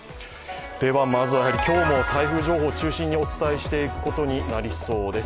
まずは今日も台風情報中心にお伝えしていくことになりそうです。